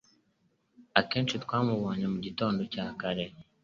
Akenshi twamubonye mugitondo cya kare